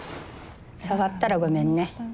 触ったらごめんね。